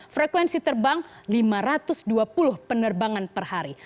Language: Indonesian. frekuensi terbang lima ratus dua puluh penerbangan per hari